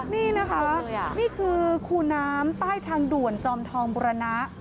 นี่นะคะนี่คือคูน้ำใต้ทางด่วนจอมทองบุรณะ